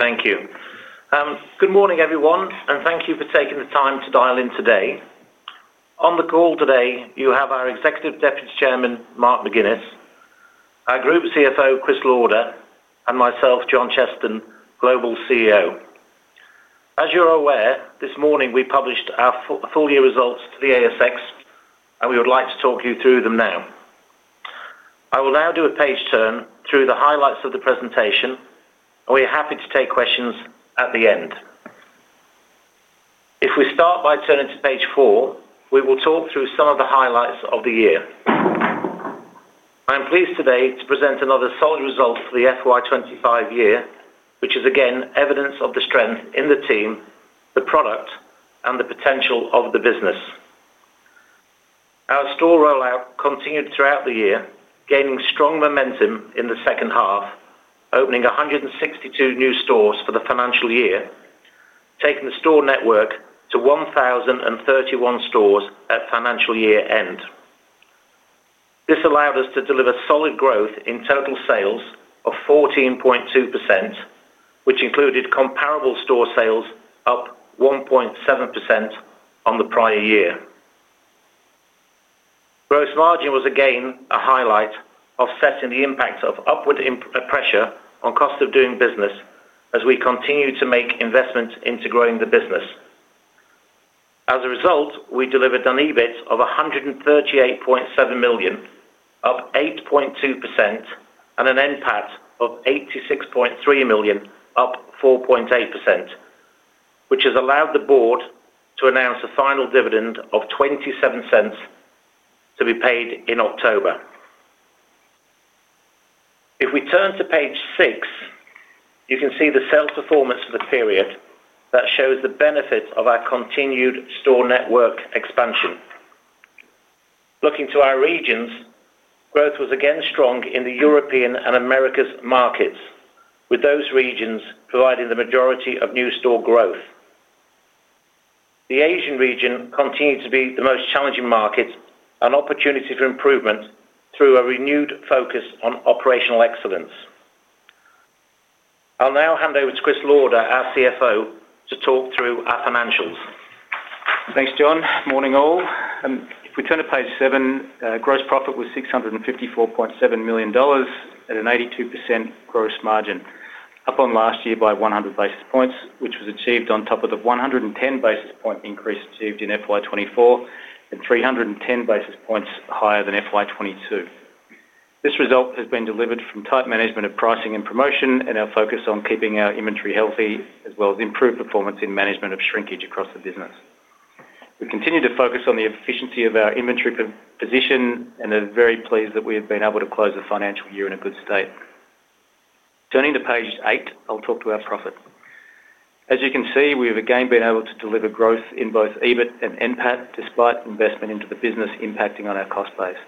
Thank you. Good morning everyone and thank you for taking the time to dial in today. On the call today you have our Executive Deputy Chairman Mark McInnes, our Group CFO Chris Lauder, and myself John Robert Cheston, Global CEO. As you're aware, this morning we published our full year results to the ASX and we would like to talk you through them now. I will now do a page turn to go through the highlights of the presentation and we are happy to take questions at the end. If we start by turning to page four, we will talk through some of the highlights of the year. I am pleased today to present another solid result for the FY 2024 year, which is again evidence of the strength in the team, the product, and the potential of the business. Our store rollout continued throughout the year, gaining strong momentum in the second half, opening 162 new stores for the financial year, taking the store network to 1,031 stores at financial year end. This allowed us to deliver solid growth in total sales of 14.2%, which included comparable store sales up 1.7% on the prior year. Gross margin was again a highlight, offsetting the impact of upward pressure on cost of doing business as we continue to make investments into growing the business. As a result, we delivered an EBIT of 138.7 million, up 8.2%, and an NPAT of 86.3 million, up 4.8%, which has allowed the Board to announce a final dividend of 0.27 to be paid in October. If we turn to page six, you can see the sales performance of the period that shows the benefits of our continued store network expansion. Looking to our regions, growth was again strong in the European and Americas markets, with those regions providing the majority of new store growth. The Asian region continues to be the most challenging market and opportunity for improvement through a renewed focus on operational excellence. I'll now hand over to Chris Lauder, our CFO, to talk through our financials. Thanks John. Morning all. If we turn to page 7, gross profit was 654.7 million dollars at an 82% gross margin, up on last year by 100 basis points, which was achieved on top of the 110 basis point increase achieved in FY 2024 and 310 basis points higher than FY 2022. This result has been delivered from tight management of pricing and promotion and our focus on keeping our inventory healthy, as well as improved performance in management of shrinkage across the business. We continue to focus on the efficiency of our inventory position and are very pleased that we have been able to close the financial year in a good state. Turning to page 8, I'll talk to. Our profit, as you can see, we. Have again been able to deliver growth in both EBIT and NPAT despite investment into the business impacting on our cost base.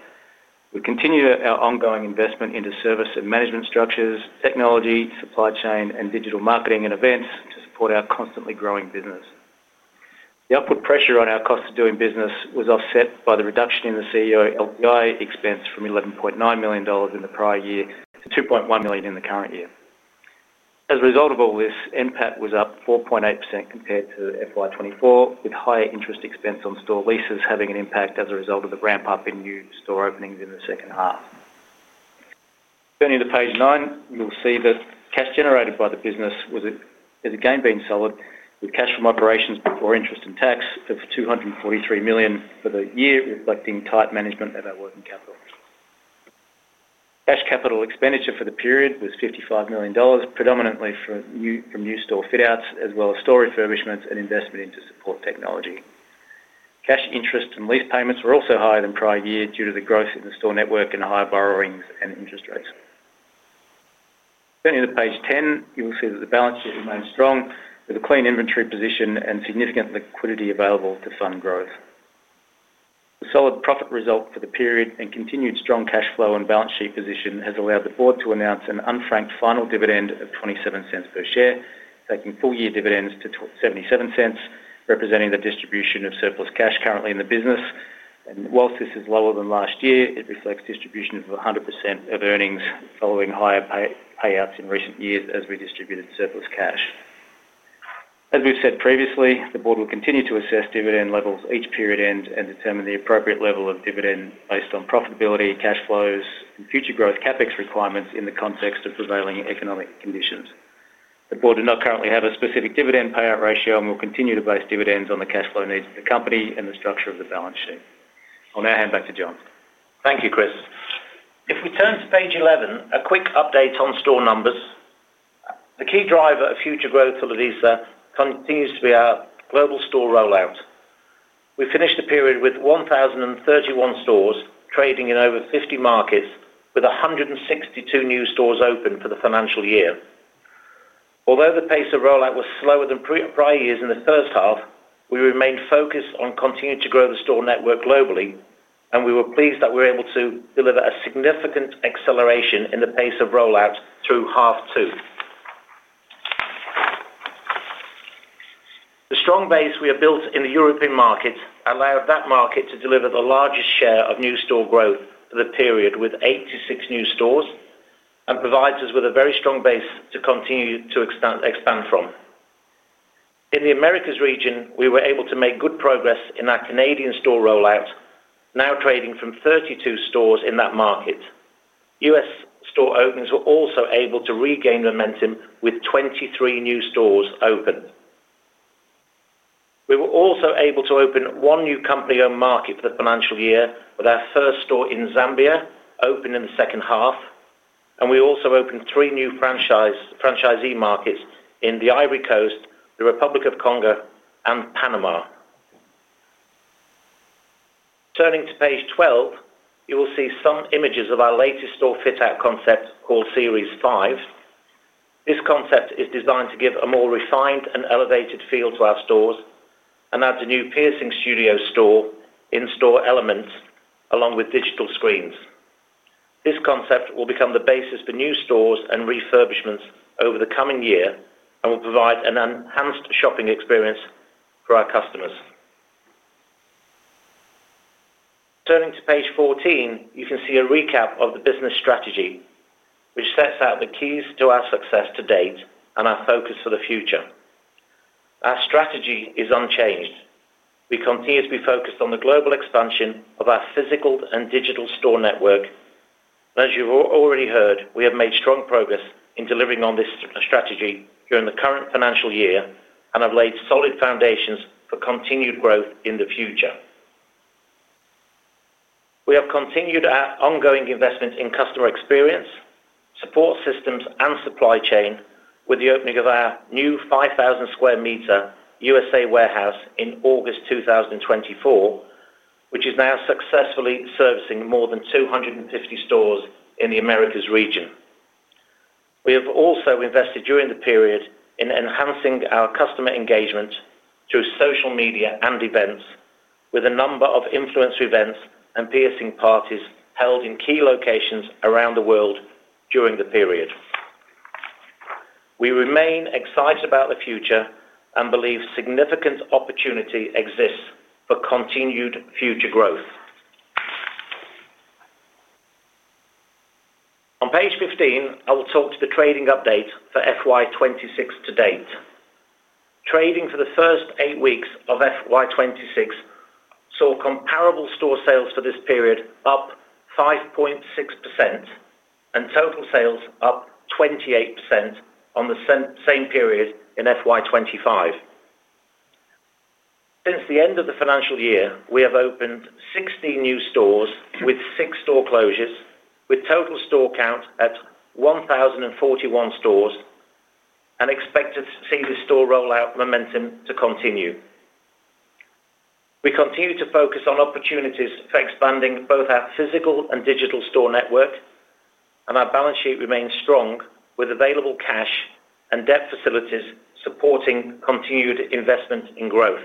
We continue our ongoing investment into service and management structures, technology, supply chain, and digital marketing and events to support our constantly growing business. The upward pressure on our cost of. Doing business was offset by the reduction in the CEO LPI expense from 11.9 million dollars in the prior year to 2.1 million in the current year. As a result of all this, NPAT was up 4.8% compared to FY 2024 with higher interest expense on store leases having an impact as a result of the ramp up in new store openings in the second half. Turning to page nine, you'll see that cash generated by the business has again been solid, with cash from operations before interest and tax of 243 million for the year, reflecting tight management of our working capital. Cash capital expenditure for the period was 55 million dollars, predominantly from new store fit-outs as well as store refurbishments. Investment into support technology. Cash interest and lease payments were also higher than prior year due to the growth in the store network and higher borrowings and interest rates. Turning to page 10, you will see that the balance sheet remains strong with a clean inventory position and significant liquidity available to fund growth. Solid profit result for the period and continued strong cash flow and balance sheet. Position has allowed the Board to announce. An unfranked final dividend of 0.27 per share, taking full year dividends to 0.77, representing the distribution of surplus cash currently. In the business, and whilst this is. Lower than last year, it reflects distribution of 100% of earnings following higher payouts in recent years as we distributed surplus cash. As we've said previously, the Board will. Continue to assess dividend levels each period end and determine the appropriate level of dividend based on profitability, cash flows, and future growth capital expenditure requirements in the context of prevailing economic conditions. The Board do not currently have a. Specific dividend payout ratio, and will continue to base dividends on the cash flow needs of the company and the structure of the balance sheet. I'll now hand back to John. Thank you, Chris. If we turn to page 11, a quick update on store numbers: the key driver of future growth for Lovisa continues to be our global store rollout. We finished the period with 1,031 stores trading in over 50 markets, with 162 new stores open for the financial year. Although the pace of rollout was slower than prior years in the first half, we remained focused on continuing to grow the store network globally, and we were pleased that we were able to deliver a significant acceleration in the pace of rollout throughout the second half. The strong base we have built in the European market allowed that market to deliver the largest share of new store growth for the period, with 86 new stores, and provides us with a very strong base to continue to expand from. In the Americas region, we were able to make good progress in our Canadian store rollout, now trading from 32 stores in that market. U.S. store openings were also able to regain momentum, with 23 new stores opened. We were also able to open one new company-owned market for the financial year, with our first store in Zambia open in the second half, and we also opened three new franchisee markets in the Ivory Coast, the Republic of Congo, and Panama. Turning to page 12, you will see some images of our latest store fit-out concept called Series 5. This concept is designed to give a more refined and elevated feel to our stores and adds a new piercing studio store-in-store element along with digital screens. This concept will become the basis for new stores and refurbishments over the coming year and will provide an enhanced shopping experience for our customers. Turning to page 14, you can see a recap of the business strategy, which sets out the keys to our success to date and our focus for the future. Our strategy is unchanged. We continue to be focused on the global expansion of our physical and digital store network. As you've already heard, we have made strong progress in delivering on this strategy during the current financial year and have laid solid foundations for continued growth in the future. We have continued our ongoing investment in customer experience, support systems, and supply chain with the opening of our new 5,000 square meter U.S.A. warehouse in August 2024, which is now successfully servicing more than 250 stores in the Americas region. We have also invested during the period in enhancing our customer engagement through social media and events, with a number of influencer events and piercing parties held in key locations around the world during the period. We remain excited about the future and believe significant opportunity exists for continued future growth. On page 15, I will talk to the trading update for FY 2026 to date. Trading for the first eight weeks of FY 2026 saw comparable store sales for this period up 5.6% and total sales up 28% on the same period in FY 2025. Since the end of the financial year, we have opened 16 new stores with 6 store closures, with total store count at 1,041 stores, and expect a single store rollout momentum to continue. We continue to focus on opportunities for expanding both our physical and digital store network, and our balance sheet remains strong with available cash and debt facilities supporting continued investment in growth.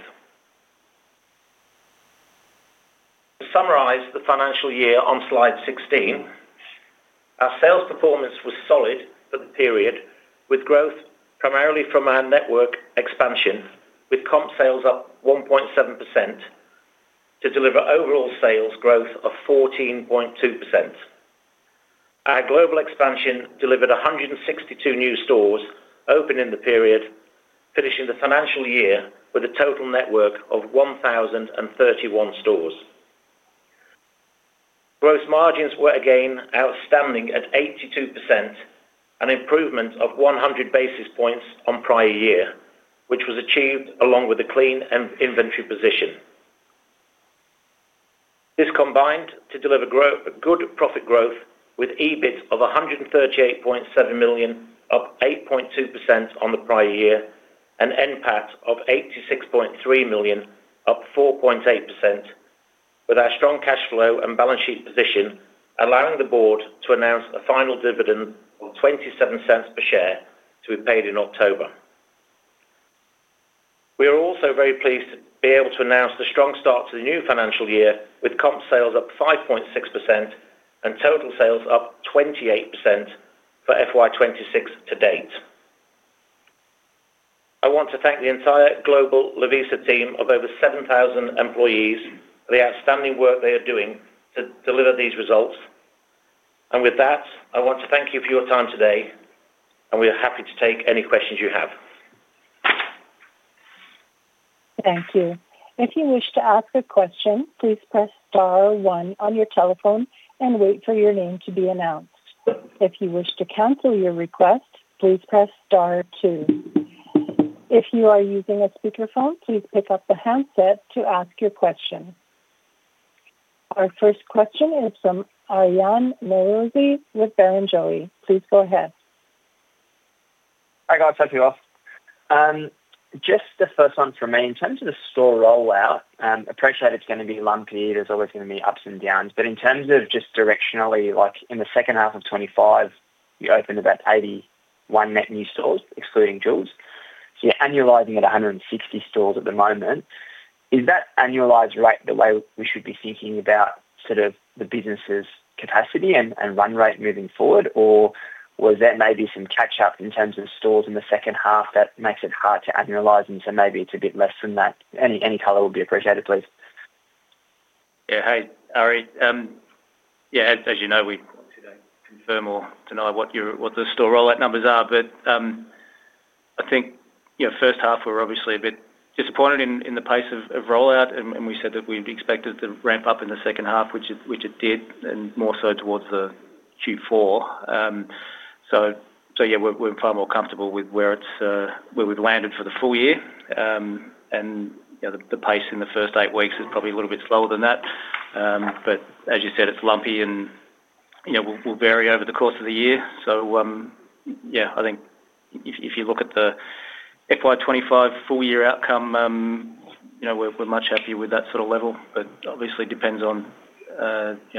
To summarize the financial year on Slide 16, our sales performance was solid for the period, with growth primarily from our network expansion, with Comp sales up 1.7% to deliver overall sales growth of 14.2%. Our global expansion delivered 162 new stores open in the period, finishing the financial year with a total network of 1,031 stores. Gross margins were again outstanding at 82%, an improvement of 100 basis points on prior year, which was achieved along with a clean inventory position. This combined to deliver good profit growth, with EBIT of 138.7 million, up 8.2% on the prior year, and NPAT of 86.3 million, up 4.8%. With our strong cash flow and balance sheet position allowing the Board to announce a final dividend of 0.27 per share to be paid in October, we are also very pleased to be able to announce the strong start to the new financial year, with Comp sales up 5.6% and total sales up 28% for FY 2026 to date. I want to thank the entire Global Lovisa team of over 7,000 employees for the outstanding work they are doing to deliver these results, and with that, I want to thank you for your time today and we are happy to take any questions you have. Thank you. If you wish to ask a question, please press Star one on your telephone and wait for your name to be announced. If you wish to cancel your request, please press Star two. If you are using a speakerphone, please pick up the handset to ask your question. Our first question is from Aryan Norozi with Barrenjoey. Please go ahead. Hi guys. Thank you. Off just the first one for me in terms of the store rollout. Appreciate it's going to be lumpy. There's always going to be ups and downs, but in terms of just directionality, like in 2H 2025 you opened about 81. Net new stores excluding tools. You're annualizing at 160 stores at the moment. Is that annualized rate the way we should be thinking about sort of the business's capacity and run rate moving forward, or was there maybe some catch up in terms of stores in the second half that makes it hard to annualize, and so maybe it's a bit less than that? Any color will be appreciated, please. Yeah. Hey, Ari. As you know, we don't confirm or deny what your, what the store rollout numbers are. I think, you know, first half we were obviously a bit disappointed in the pace of rollout. We said that we expected to ramp. Up in the second half, which it did and more so towards Q4. We're far more comfortable with. Where we've landed for the full year. The pace in the first eight weeks is probably a little bit slower than that. As you said, it's lumpy and will vary over the course of the year. I think if you look at the FY 2025 full year outcome, we're much happier with that sort of level. It obviously depends on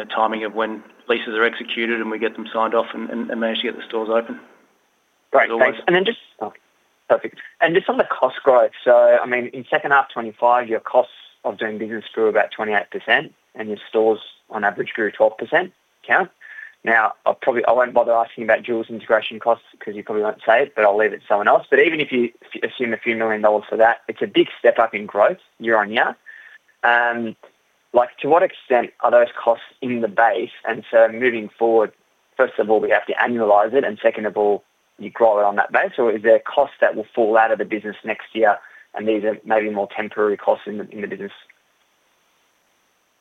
timing of when leases are executed and we get them signed off and manage to get the stores open. Great, thanks. That's perfect. On the cost growth, in second half 2025, your costs of doing business grew about 28% and your stores on average grew 12%. I won't bother asking about Joules integration costs because you probably won't say it, but I'll leave it to someone else. Even if you assume a few million dollars for that, it's a big step up in growth year on year. To what extent are those costs in the base? Moving forward, first of all, we have to annualize it and second of all, you grow it on that base or are there costs that will fall out of the business next year and these are maybe more temporary costs in the business?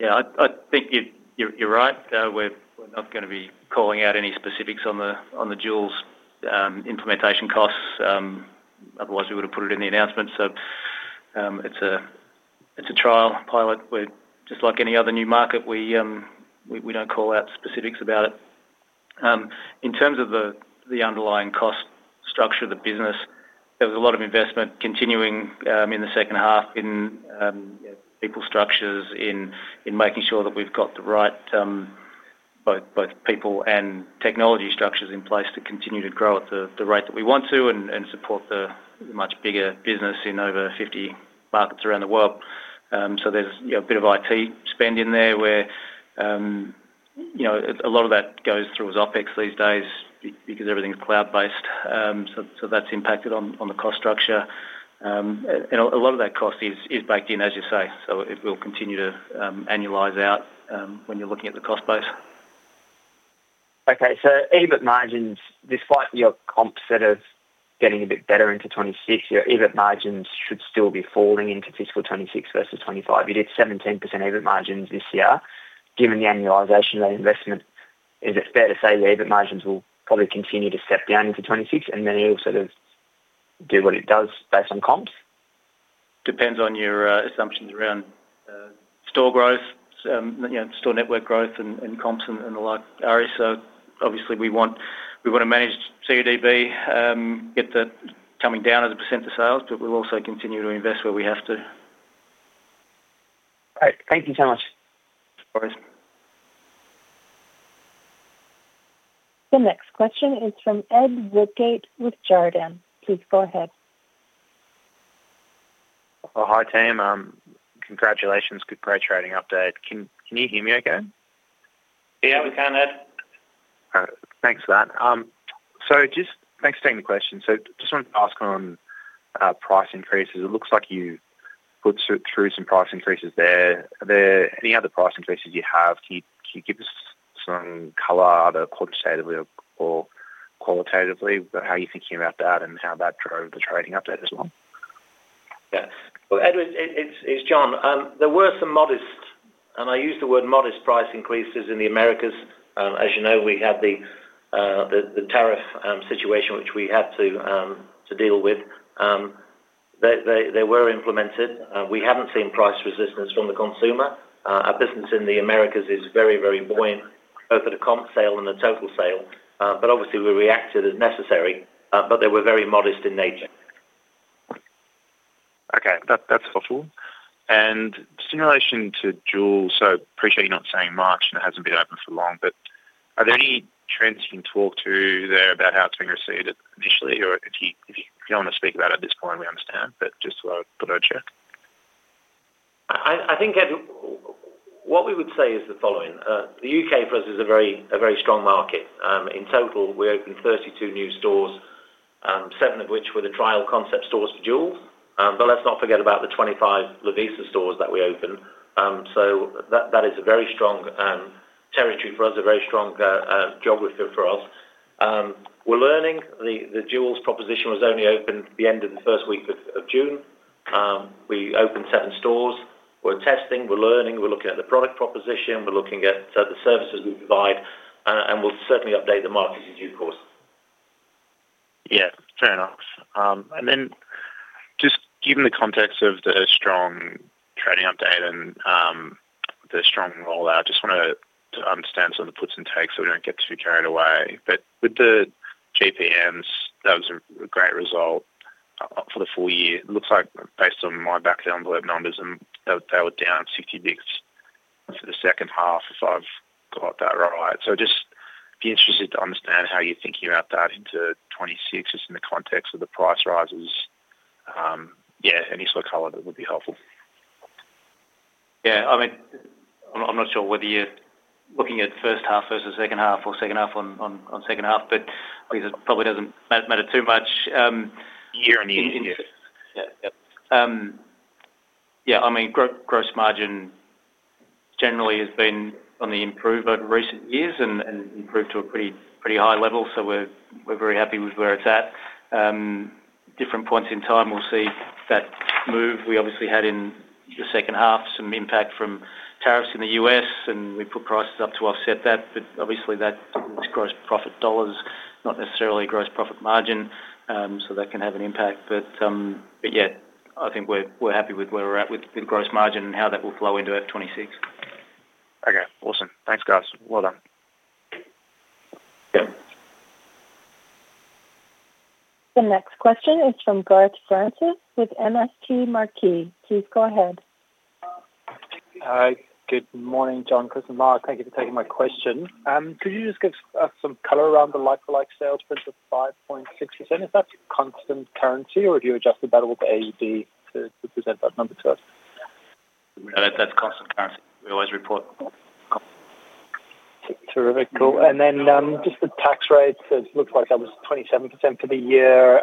Yeah, I think you're right. We're not going to be calling out any specifics on the Joules implementation costs, otherwise we would have put it in the announcement. It's a trial pilot just like any other new market. We don't call out specifics about it in terms of the underlying cost structure of the business. There was a lot of investment continuing in the second half in people structures. In making sure that we've got the. Right, both people and technology structures in place to continue to grow at the rate that we want to and support the much bigger business in over 50 markets around the world. There's a bit of IT spend in there where, you know, a lot. Of that goes through OpEx these days. Because everything's cloud-based, that's impacted on the cost structure. A lot of that cost is. Baked in, as you say. It will continue to annualize out. When you're looking at the cost base. Okay, so EBIT margins, despite your comp set of getting a bit better into 2026, your EBIT margins should still be falling into fiscal 2026 versus 2025. You did 17% EBIT margins this year. Given the annualization of that investment, is it fair to say the EBIT margins will probably continue to step down into 2026 and then it'll sort of do what it does based on comps? Depends on your assumptions around store growth, store network growth and comps and the like, Ari. Obviously we want to manage CapEx, get that coming down as a percentage of sales, but we'll also continue to invest where we have to. Thank you, John. The next question is from Ed Woodgate with Jarden. Please go ahead. Hi team. Congratulations. Good pro trading update. Can you hear me okay? Yeah, we can, Ed. Thanks for that. Thanks for taking the question. Just wanted to ask on price increases. It looks like you put through some price increases there. Are there any other price increases you have? Can you give us some color quantitatively or qualitatively? How are you thinking about that? How that drove the trading update as well? Yes, Edward, it's John. There were some modest, and I use the word modest, price increases in the Americas. As you know, we had the tariff situation which we had to deal with. They were implemented. We haven't seen price resistance from the consumer. Our business in the Americas is very, very buoyant, both at a comp sale and a total sale. Obviously, we reacted as necessary. They were very modest in nature. Okay, that's possible. Just in relation to Joules, appreciate you not saying much and it hasn't been open for long, but are there any trends you can talk to there about how it's been received initially? If you don't want to speak about it at this point, we understand, but just put it on check. I think, Ed, what we would say is the following. The U.K. for us is a very, very strong market. In total, we opened 32 new stores, seven of which were the trial concept stores for Joules. Let's not forget about the 25 Lovisa stores that we opened. That is a very strong territory for us, a very strong geography for us. We're learning. The Joules proposition was only open the end of the first week of June. We opened seven stores. We're testing, we're learning, we're looking at the product proposition, we're looking at the services we provide, and we'll certainly update the market, of course. Yeah, fair enough. Just given the context of. The strong trading update and the strong. Rollout, I just want to understand some of the puts and takes so we don't get too carried away. With the gross margins, that was a great result for the full year. It looks like, based on my back-of-the-envelope numbers, they were down 60 basis points for the second half, if I've got that right. Just be interested to understand how you're thinking about that into 2026, just in the context of the price rises. Any sort of color, that would be helpful. Yeah, I mean I'm not sure whether you're looking at first half versus second half or second half on second half, but it probably doesn't matter too much year on year. Yeah. Yeah. I mean, gross margin generally has been on the improve over recent years and improved to a pretty high level. We're very happy with where it's at. At different points in time, we'll see that move. We obviously had in the second half some impact from tariffs in the U.S., and we put prices up to offset that. Obviously, that is gross profit dollars, not necessarily gross profit margin, so that can have an impact. Yeah, I think we're happy with where we're at with gross margin and how that will flow into F 2026. Okay, awesome. Thanks, guys. Well done. The next question is from Garth Francis with MST Marquee. Please go ahead. Good morning, John, Chris and Mark. Thank you for taking my question. Could you just give some color around the like for like sales principal 5.6% if that's constant currency or have you adjusted that with AUD to present that number to us? That's constant currency we always report. Terrific. The tax rate, it looks like that was 27% for the year.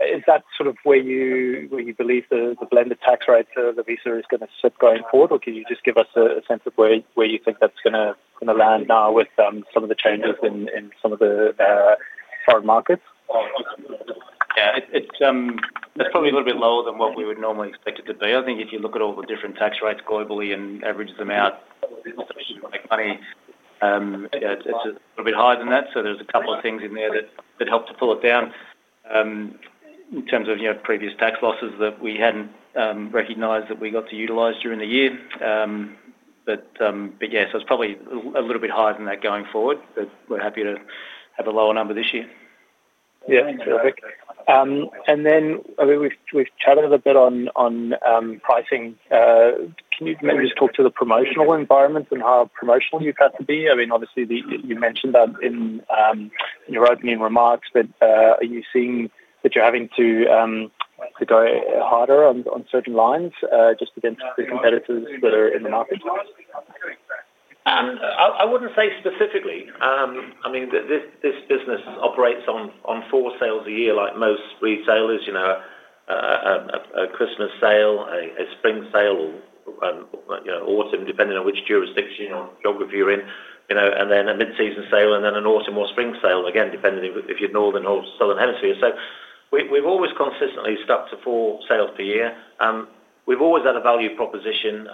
Is that sort of where you believe the blended tax rate for Lovisa is going to sit going forward, or can you just give us a sense of where you think that's going to land now with some of the changes in some of the foreign markets? That's probably a little. Bit lower than what we would normally. Expect it to be. I think if you look at all the different tax rates globally and average them out, it's a little bit higher than that. There are a couple of things in there that help to pull it down in terms of previous tax losses that we hadn't recognized that we got to utilize during the year. Yes, it's probably a little bit higher than that going forward, but we're happy to have a lower number this year. Yeah. We've chatted a bit on pricing. You can maybe just talk to the promotional environment and how promotional you've had to be. I mean obviously you mentioned that in your opening remarks, but are you seeing that you're having to go harder on certain lines just against the competitors that are in the market? I wouldn't say specifically. I mean this business operates on four sales a year like most retailers. You know, a Christmas sale, a spring sale or autumn depending on which jurisdiction or geography you're in, and then a mid season sale and then an autumn or spring sale again depending if you're northern or southern hemisphere. We've always consistently stuck to four sales per year. We've always had a value proposition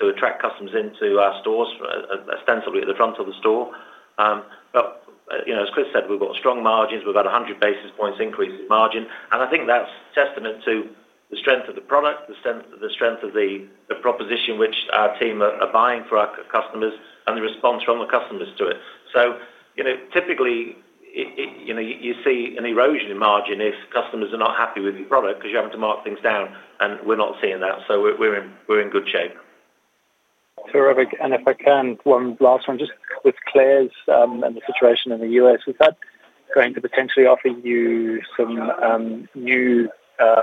to attract customers into our stores, ostensibly at the front of the store. As Chris said, we've got strong margins. We've had 100 basis points increase in margin, and I think that's testament to the strength of the product, the strength of the proposition which our team are buying for our customers and the response from the customers to it. Typically, you see an erosion in margin if customers are not happy with your product because you're having to mark things down and we're not seeing that. We're in good shape. Terrific. If I can, one last one just with Claire’s and the Federation in the U.S., is that going to potentially offer you some new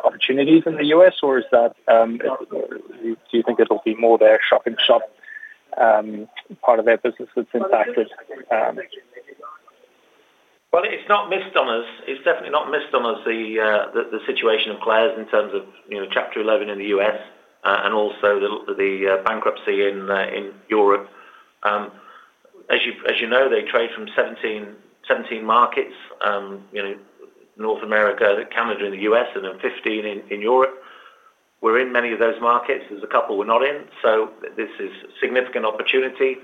opportunities in the U.S., or do you think it'll be more their shop-in-shop part of their business that's impacted? It's not missed on us. It's definitely not missed on us. The situation of Claire’s in terms of, you know, Chapter 11 in the U.S. and also the bankruptcy in Europe. As you know, they trade from 17 markets, you know, North America, Canada in the U.S., and then 15 in Europe. We're in many of those markets, there's a couple we're not in. This is a significant opportunity.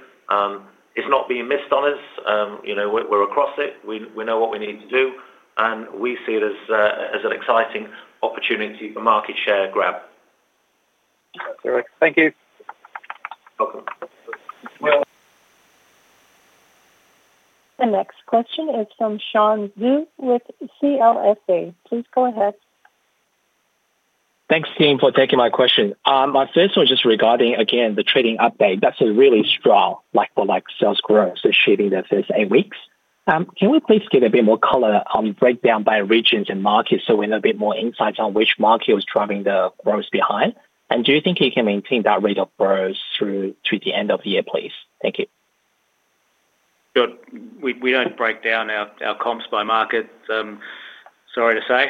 It's not being missed on us. We're across it, we know what we need to do, and we see it as an exciting opportunity for market share grab. Thank you. The next question is from Sean Xu with CLSA. Please go ahead. Thanks team for taking my question. My first one just regarding again the trading update, that's a really strong like for like sales growth during the first eight weeks. Can we please get a bit more color on breakdown by regions and markets so we know a bit more insights on which market was driving the growth behind? Do you think you can maintain that rate of growth through to the end of the year, please? Thank you. Good. We don't break down our comps by market, sorry to say.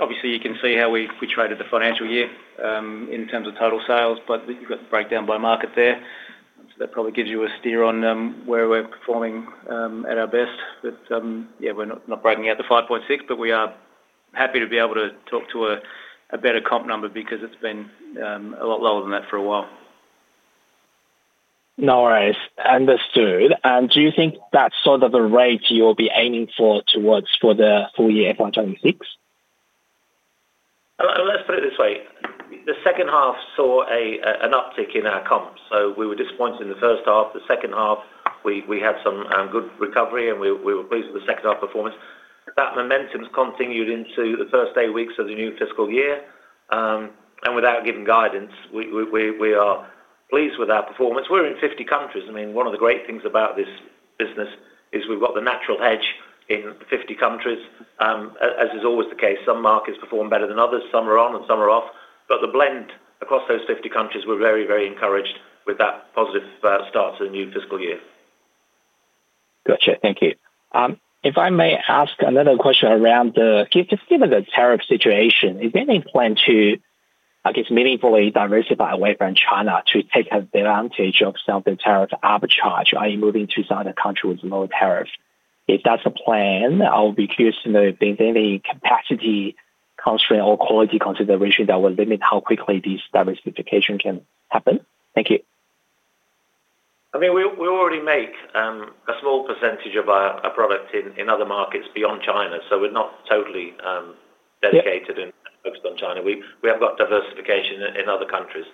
Obviously, you can see how we traded the financial year in terms of total sales, but we've got breakdown by market there. That probably gives you a steer on where we're performing at our best. We're not breaking out the 5.6% but we are happy to be able to talk to a better comp number because it's been a lot lower than that for a while. No worries. Understood. Do you think that's sort of the rate you'll be aiming for towards the full year, FY 2026? Let's put it this way. The second half saw an uptick in our comp. We were disappointed in the first half. The second half we had some good recovery and we were pleased with the second half performance. That momentum continued into the first eight weeks of the new fiscal year, and without giving guidance, we are pleased with our performance. We're in 50 countries. One of the great things about this business is we've got the natural hedge in 50 countries. As is always the case, some markets perform better than others. Some are on and some are off. The blend across those 50 countries, we're very, very encouraged with that positive start to the new fiscal year. Gotcha. Thank you. If I may ask another question around the tariff situation, is there any plan to, I guess, meaningfully diversify away from China to take advantage of southern tariff arbitrage that is moving to southern country with low tariffs? If that's a plan, I'll be curious to know if there's any capacity constraint or quality consideration that will limit how quickly these diversification can happen. Thank you. I mean, we already make a small percentage of our product in other markets beyond China. We're not totally dedicated and focused on China. We have got diversification in other countries.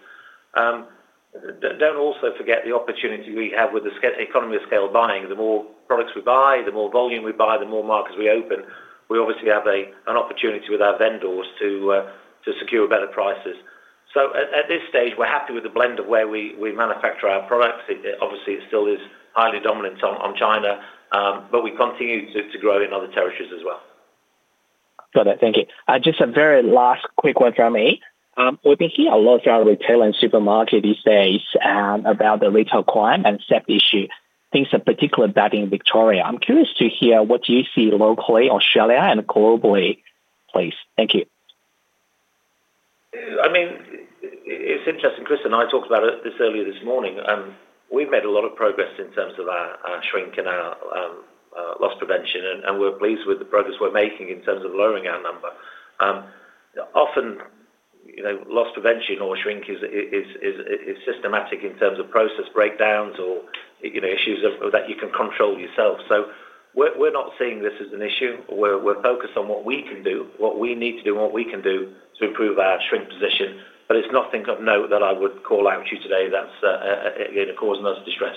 Don't also forget the opportunity we have with the economy of scale buying. The more products we buy, the more volume we buy, the more markets we open. We obviously have an opportunity with our vendors to secure better prices. At this stage we're happy with the blend of where we manufacture our products. Obviously it still is highly dominant on China, but we continue to grow in other territories as well. Got it. Thank you. Just a very last quick one from me. We've been hearing a lot about retail and supermarket these days about the retail crime and shrinkage issue. Things are particularly bad in Victoria. I'm curious to hear what you see locally, Australia and globally. Please. Thank you. I mean, it's interesting. Chris and I talked about this earlier this morning. We've made a lot of progress in terms of our shrink in our loss prevention, and we're pleased with the progress we're making in terms of lowering our number. Often, you know, loss prevention or shrink is systematic in terms of process breakdowns or issues that you can control yourself. We're not seeing this as an issue. We're focused on what we can do, what we need to do, what we can do to improve our shrink position. It's nothing of note that I would call out to you today that's causing us distress.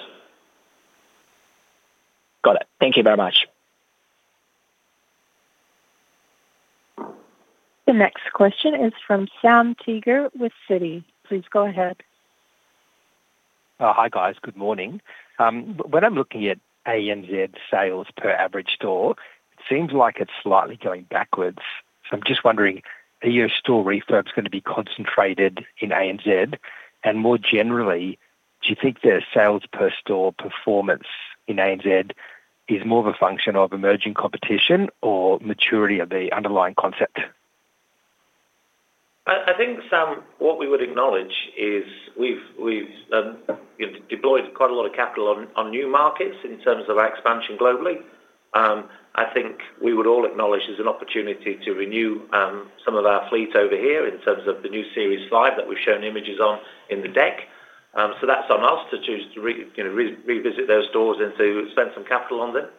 Got it. Thank you very much. The next question is from Sam Teeger with Citi. Please go ahead. Hi, guys. Good morning. When I'm looking at ANZ, sales per. Average store seems like it's slightly going backwards. I'm just wondering, are your store. Refurb is going to be concentrated in. And more generally, do you think. The sales per store performance in ANZ is more of a function of emerging competition or maturity of the underlying concept? I think, Sam, what we would acknowledge is we've deployed quite a lot of capital on new markets in terms of our expansion globally. I think we would all acknowledge there's an opportunity to renew some of our fleet over here in terms of the new Series 5 that we've shown images on in the deck. That's on us to choose to revisit those stores and to spend some capital on that.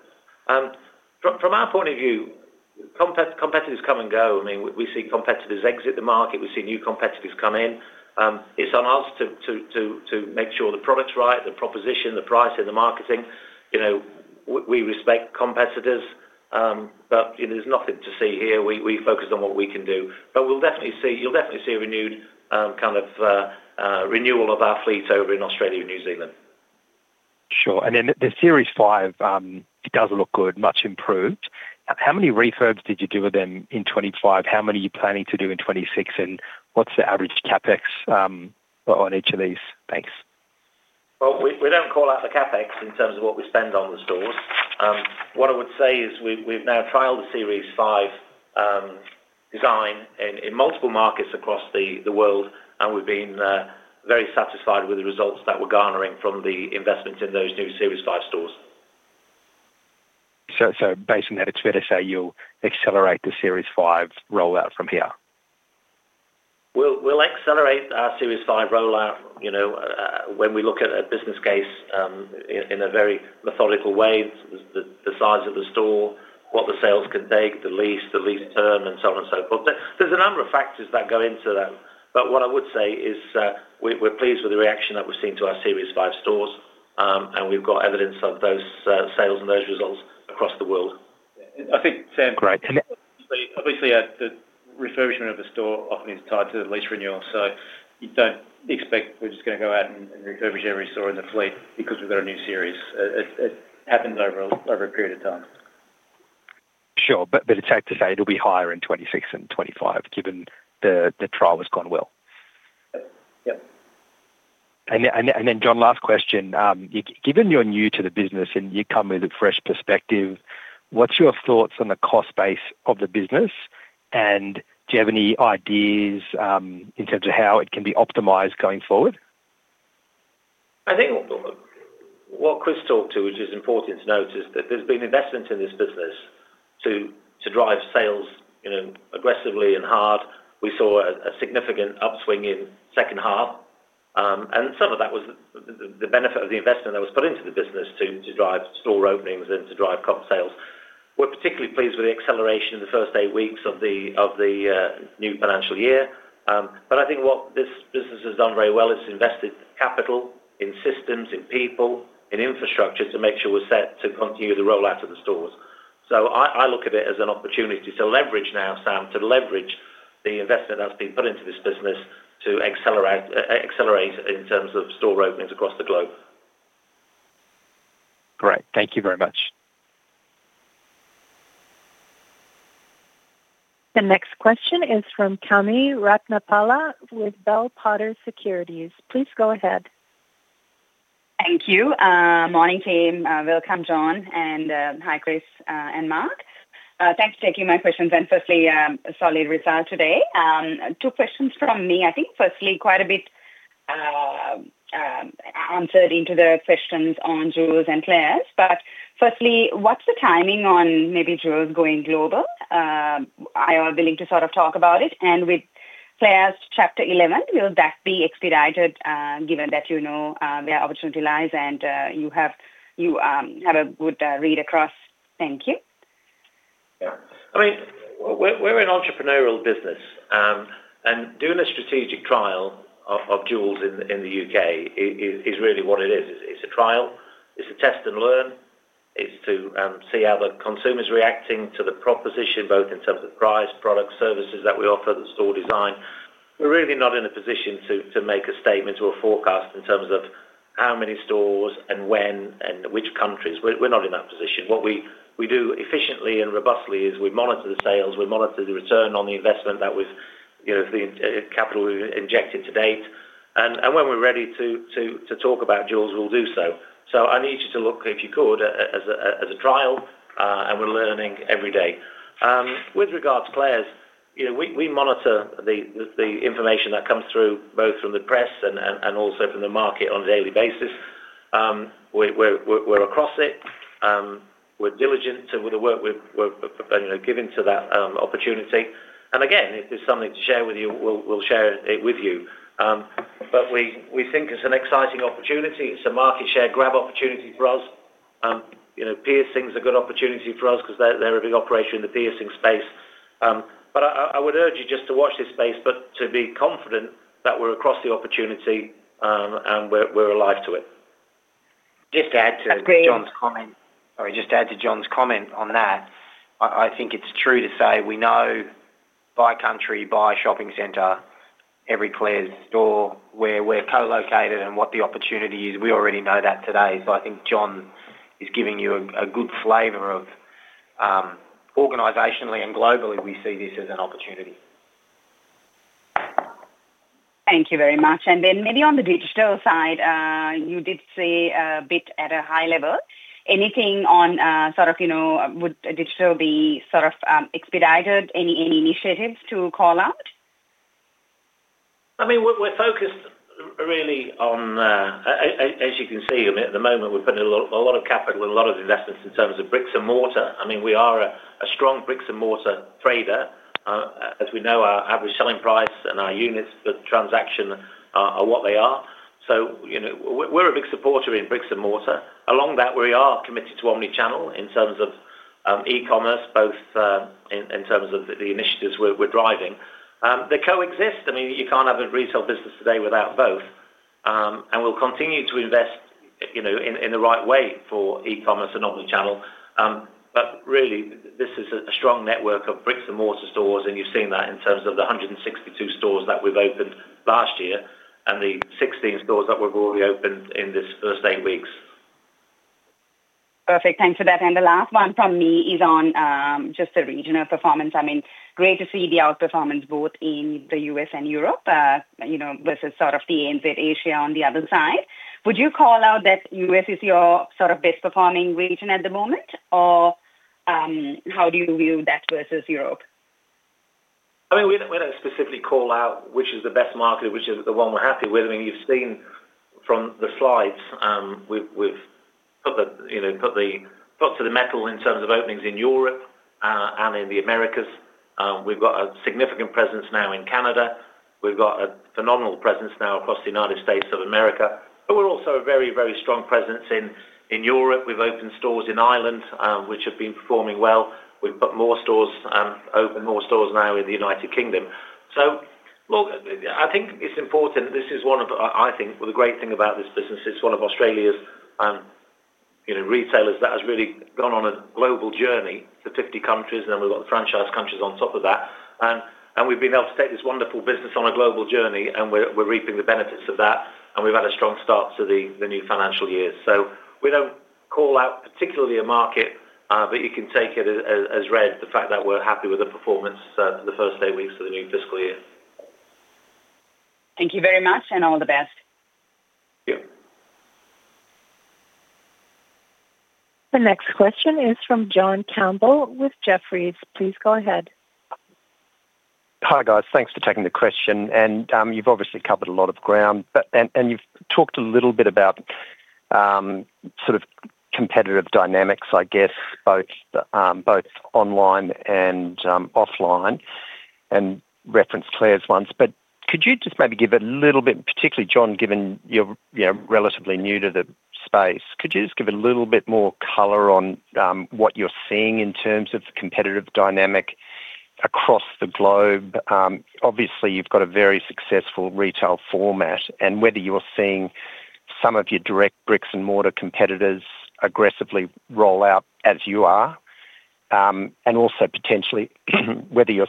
From our point of view, competitors come and go. We see competitors exit the market, we see new competitors come in. It's on us to make sure the product's right, the proposition, the price, and the marketing. We respect competitors, but there's nothing to see here. We focus on what we can do, but you'll definitely see a renewed kind of renewal of our fleet over in Australia and New Zealand. Sure. The Series 5 does look good, much improved. How many refurbs did you do with them in 2025? How many are you planning to do in 2026? What's the average CapEx on each of these? Thanks. We don't call out the CapEx in terms of what we spend on the stores. What I would say is we've now trialed the Series 5 store concept in multiple markets across the world, and we've been very satisfied with the results that we're garnering from the investments in those new Series 5 stores. Based on that, it's fair to say you'll accelerate the Series 5 rollout from here? We'll accelerate our Series 5 rollout. When we look at a business case in a very methodical way, the size of the store, what the sales can take, the lease, the lease earn and so on and so forth, there's a number of factors that go into that. What I would say is we're pleased with the reaction that we've seen to our Series 5 stores and we've got evidence of those sales and those results across the world, I think. Sam, great. Obviously, the refurbishment of a store often is tied to the lease renewal. You don't expect we're just going to go out and refurbish every store in the fleet because we've got a new Series 5 store concept. It happens over a period of time, sure. It is safe to say it'll be higher in 2026 and 2025, given the. Trial has gone well. John, last question. Given you're new to the business and you come with a fresh perspective, what's your thoughts on the cost base? The business, and do you have any? Ideas in terms of how it can be optimized going forward? I think what Chris talked to, which is important to notice, is that there's been investment in this business to drive sales aggressively and hard. We saw a significant upswing in the second half, and some of that was the benefit of the investment that was put into the business to drive store openings and to drive comparable store sales. We're particularly pleased with the acceleration in the first eight weeks of the new financial year. I think what this business has done very well is invested capital in systems, in people, in infrastructure to make sure we're set to continue the rollout of the stores. I look at it as an opportunity to leverage now, Sam, to leverage the investment that's been put into this business to accelerate in terms of store openings across the globe. Great. Thank you very much. The next question is from Chami Ratnapala with Bell Potter Securities. Please go ahead. Thank you. Morning, team. Welcome, John, and hi, Chris and Mark. Thanks for taking my questions. Firstly, a solid result today. Two questions from me. I think quite a bit was answered into the questions on Joules and Claire’s. Firstly, what's the timing on maybe Joules going global? Are you willing to sort of talk about it? With Claire’s Chapter 11, will that be expedited given that you know where opportunity lies and you have a good read across? Thank you. I mean we're an entrepreneurial business and doing a strategic trial of Joules in the U.K. is really what it is. It's a trial, it's a test and learn. It's to see how the consumer's reacting to the proposition both in terms of price, products, services that we offer, the store design. We're really not in a position to make a statement or forecast in terms of how many stores and when and which countries. We're not in that position. What we do efficiently and robustly is we monitor the sales, we monitor the return on the investment. That was the capital we injected to date. When we're ready to talk about Joules we'll do so. I need you to look if you could as a trial and we're learning every day with regards to Claire’s, you know, we monitor the information that comes through both from the press and also from the market on a daily basis. We're across it, we're diligent with the work we're given to that opportunity and if there's something to share with you, we'll share it with you. We think it's an exciting opportunity. It's a market share grab opportunity for us. Piercing is a good opportunity for us because they're a big operation in the piercing space. I would urge you just to watch this space but to be confident that we're across the opportunity and we're alive to it. Just to add to John's comment on that, I think it's true to say we. Know by country, by shopping centre, every. Claire’s store where we’re co-located and what the opportunity is. We already know that today. I think John is giving you a good flavor of organizationally and globally we see this as an opportunity. Thank you very much. Maybe on the digital side, you did see a bit at a high level. Anything on, sort of, you know, would digital be expedited? Any initiatives to call out? We're focused really on, as you can see at the moment, we're putting a lot of capital and a lot of investments in terms of bricks and mortar. We are a strong bricks and mortar trader. As we know, our average selling price and our units for transaction are what they are. We're a big supporter in bricks and mortar. Along that, we are committed to omnichannel in terms of e-commerce, both in terms of the initiatives we're driving. They coexist. You can't have a retail business today without both. We'll continue to invest, you know, in the right way for e-commerce and omnichannel. Really, this is a strong network of bricks and mortar stores. You've seen that in terms of the 162 stores that we've opened last year and the 16 stores that we've already opened in this first eight weeks. Perfect. Thanks for that. The last one from me is on just the regional performance. I mean, great to see the outperformance both in the U.S. and Europe, you know, versus sort of the Asia on the other side. Would you call out that U.S. is your sort of best performing region at the moment or how do you view that versus Europe? I mean, we don't specifically call out which is the best market, which is the one we're happy with. I mean, you've seen from the slides, we've put the thoughts of the metal in terms of openings in Europe and in the Americas. We've got a significant presence now in Canada. We've got a phenomenal presence now across the United States of America. We're also a very, very strong presence in Europe. We've opened stores in Ireland, which have been performing well. We've got more stores open, more stores now in the United Kingdom. I think it's important. This is one of the, I think the great thing about this business is one of Australia's retailers that has really gone on a global journey, the 50 countries and then we've got the franchise countries on top of that. We've been able to take this wonderful business on a global journey and we're reaping the benefits of that. We've had a strong start to the new financial year. We don't call out particularly a market. You can take it as read the fact that we're happy with the performance the first eight weeks of the new fiscal year. Thank you very much, and all the best. Thank you. The next question is from John Campbell with Jefferies. Please go. Hi guys. Thanks for taking the question. You've obviously covered a lot of ground, and you've talked a little bit about sort of competitive dynamics, I guess, both online and offline, and referenced Claire’s ones. Could you just maybe give a. Little bit, particularly John, given you're relatively new. New to the space, could you just. Give a little bit more color on what you're seeing in terms of the competitive dynamic across the globe. Obviously, you've got a very successful retail format and whether you're seeing some of your direct bricks and mortar competitors aggressively roll out as you are, and also potentially whether you've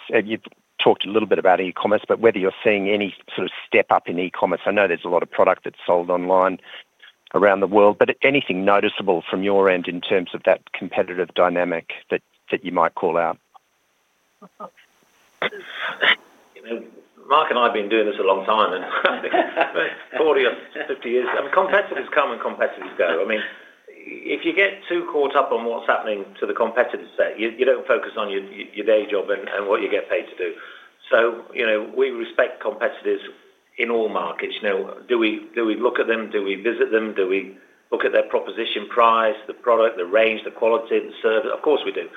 talked a little bit about e-commerce, but whether you're seeing any sort of step up in e-commerce. I know there's a lot of product that's sold online around the world, but anything noticeable from your end in terms of that competitive dynamic that you might call out. Mark and I have been doing this a long time, 40 or 50 years. Competitors come and competitors go. If you get too caught up on what's happening to the competitors, you don't focus on your day job and what you get paid to do. We respect competitors in all markets. Do we look at them, do we visit them? Do we look at their proposition, price, the product, the range, the quality, the service? Of course we do.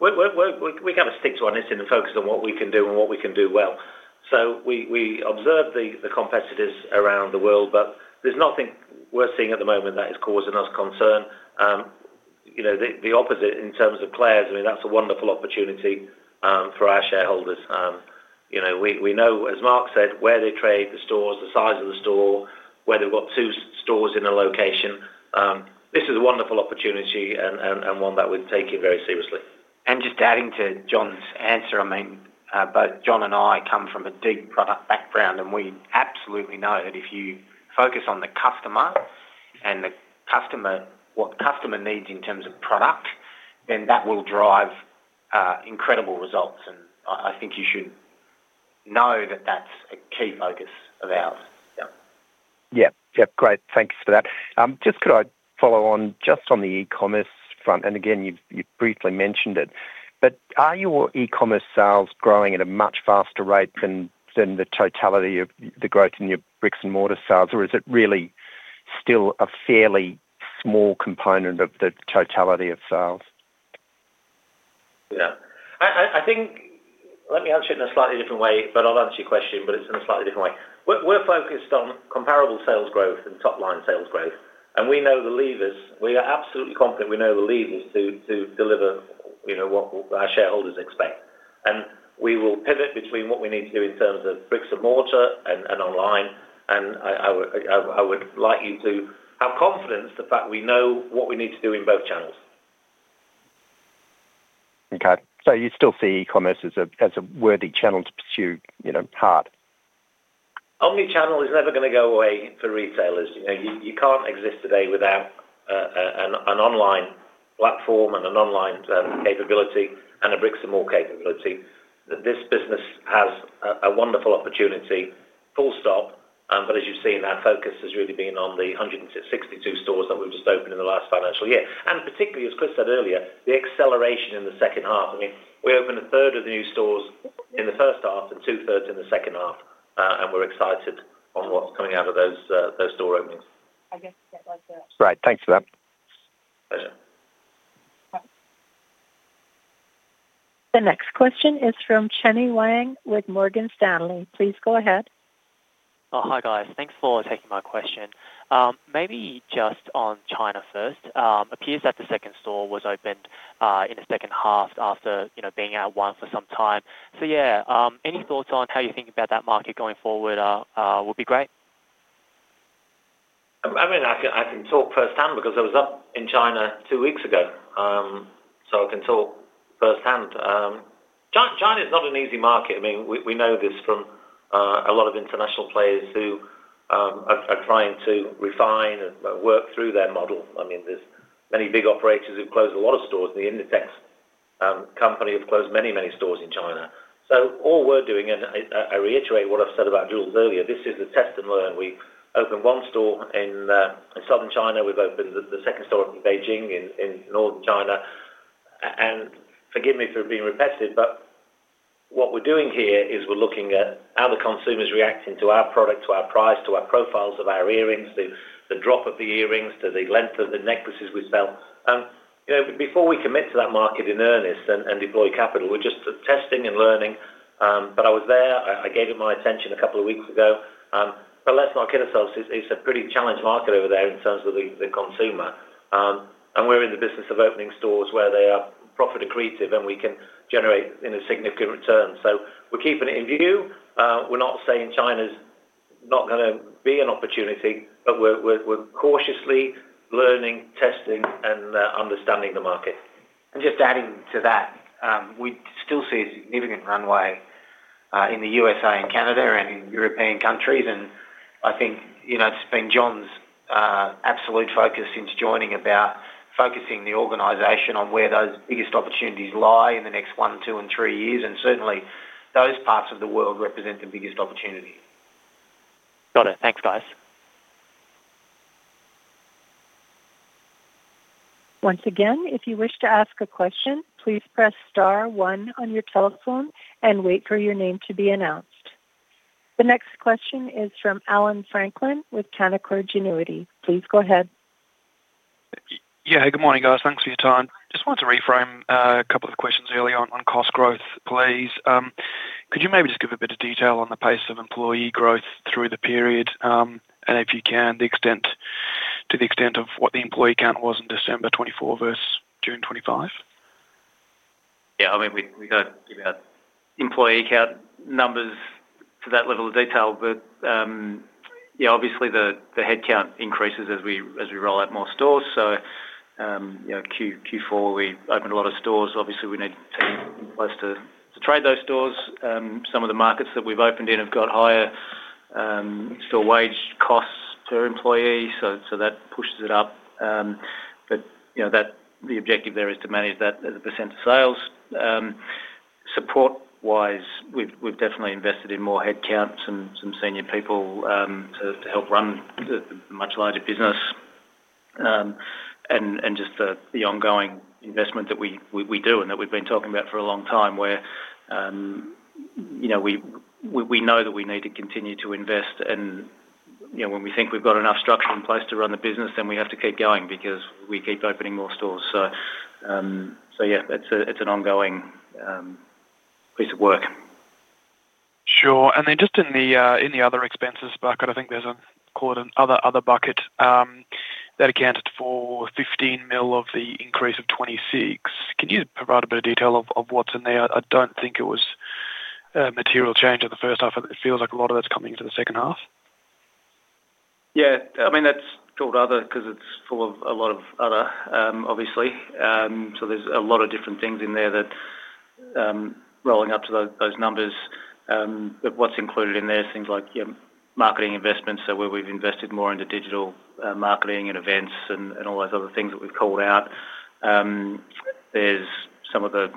We got to stick to our knitting and focus on what we can do and what we can do well. We observe the competitors around the world, but there's nothing we're seeing at the moment that is causing us concern. The opposite in terms of Claire’s. That's a wonderful opportunity for our shareholders. We know, as Mark said, where they trade the stores, the size of the store, where they've got two stores in a location. This is a wonderful opportunity and one that we're taking very seriously. Adding to John's answer, I. Both John and I come from a deep product background, and we absolutely know that if you focus on the customer and what the customer needs in terms of product, that will drive incredible results. I think you should know that that's a key focus of ours. Yeah, great, thanks for that. Could I follow on, just on the e-commerce front, and again you've briefly mentioned it, but are your e-commerce sales growing at a much faster rate than the totality of the growth in your bricks and mortar sales, or is it really still a fairly small component of the totality of sales? I think, let me answer it in a slightly different way, but I'll answer your question, it's in a slightly different way. We're focused on comparable store sales growth and top line sales growth, and we know the levers. We are absolutely confident we know the levers to deliver what our shareholders expect, and we will pivot between what we need to do in terms of bricks and mortar and online. I would like you to have confidence in the fact we know what we need to do in both channels. Okay, so you still see e-commerce as a worthy channel to pursue. Hard omnichannel is never going to go away for retailers. You can't exist today without an online platform and an online capability and a bricks and mortar capability. This business has a wonderful opportunity, full stop. As you've seen, our focus has really been on the 162 stores that we've just opened in the last financial year, particularly as Chris said earlier, the acceleration in the second half. We opened a third of the new stores in the first half and two thirds in the second half. We're excited on what's coming out of those store openings. Right. Thanks for that, pleasure. The next question is from Chenny Wang with Morgan Stanley. Please go ahead. Hi guys. Thanks for taking my question. Maybe just on China first, it appears that the second store was opened in the. Second half after, you know, being out. One for some time. Yeah. Any thoughts on how you think about that market going forward? Would be great. I mean, I can talk firsthand because I was up in China two weeks ago, so I can talk firsthand. China is not an easy market. I mean, we know this from a lot of international players who are trying to refine and work through their model. There are many big operators who have closed a lot of stores in the entities. Companies have closed many, many stores in China. All we're doing, and I reiterate what I've said about Joules earlier, this is a test and learn. We opened one store in southern China. We've opened the second store in Beijing in North China. Forgive me for being repetitive, but what we're doing here is we're looking at how the consumer is reacting to our product, to our price, to our profiles of our earrings, the drop of the earrings, to the length of the necklaces we sell. Before we commit to that market in earnest and deploy capital, we're just testing and learning. I was there, I gave it my attention a couple of weeks ago. Let's not kid ourselves. It's a pretty challenged market over there in terms of the consumer. We're in the business of opening stores where they are profit accretive and we can generate significant returns. We're keeping it in view. We're not saying China's not going to be an opportunity, but we're cautiously learning, testing and understanding the market and just adding to that, we still see a. Significant runway in the U.S. and Canada. In European countries, I think it's been John's absolute focus since joining, focusing the organization on where those biggest opportunities lie in the next one, two, and three years. Certainly, those parts of the world represent the biggest opportunity. Got it. Thanks guys. Once again, if you wish to ask a question, please press Star one on your telephone and wait for your name to be announced. The next question is from Alan Franklin with Canaccord Genuity. Please go ahead. Good morning, guys. Thanks for your time. Just wanted to reframe a couple of questions early on cost growth, please. Could you maybe just give a bit of detail on the pace of employee growth through the period, and if you can, to the extent of what the employee count was in December 2024 versus June 2025? Yeah, I mean we don't give out employee count numbers to that level of detail. Obviously the headcount increases as we. Roll out more stores. In Q4, we opened a lot of stores. Obviously, we need teams in place. To trade those stores. Some of the markets that we've opened in have got higher still wage costs per employee, so that pushes it up. The objective there is. To manage that as a percentage of sales support wise, we've definitely invested in more headcount, some senior people to help run the much larger business, and just the ongoing investment that we do and that we've been talking about for a long time where, you know, we know that we need to continue to invest and, you know, when we think we've got enough structure in place to run the business, then we have to keep going because we keep opening more stores. It's an ongoing piece of work. Sure. In the other expenses bucket, I think there's another other bucket that accounted for 15 million of the increase of 26 million. Can you provide a bit of detail of what's in there? I don't think it was a material change of the first half. It feels like a lot of that's. Coming into the second half. That's called other because it's full of a lot of other, obviously. There's a lot of different things in there that are rolling up to those numbers. What's included in there are things like marketing investments, where we've invested more into digital marketing and events and all those other things that we've called out. There are some of the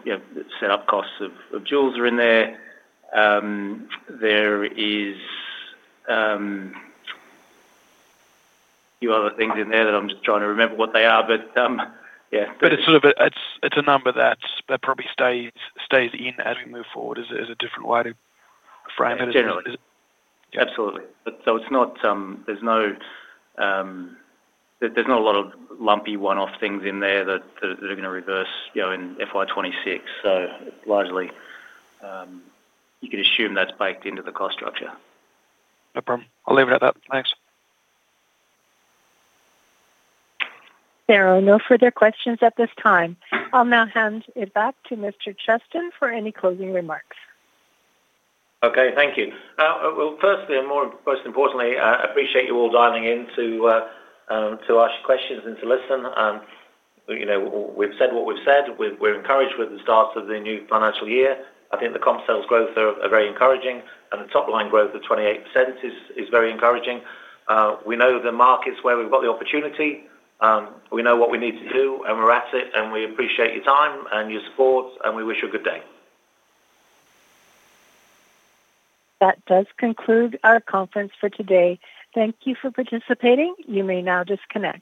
setup costs of. Joules are in there. There are a few other things in there that I'm just trying to remember what they are. But. Yeah, it's sort of a number that probably stays in as we move forward. It's a different way to frame it generally. Absolutely. There's no. There's not. A lot of lumpy one-off things in there that are going to reverse in FY 2026. Largely, you could assume that's baked. Into the cost structure. No problem. I'll leave it at that. Thanks. There are no further questions at this time. I'll now hand it back to Mr. Cheston for any closing remarks. Thank you. Firstly and most importantly, I appreciate you all dialing in to ask questions and to listen. We've said what we've said. We're encouraged. With the start of the new financial year, I think the comp sales growth are very encouraging and the top line growth of 28% is very encouraging. We know the markets where we've got the opportunity. We know what we need to do and we're at it. We appreciate your time and your support and we wish you a good day. That does conclude our conference for today. Thank you for participating. You may now disconnect.